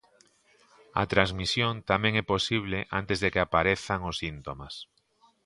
A transmisión tamén é posible antes de que aparezan os síntomas.